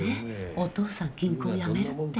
おとうさん銀行辞めるって。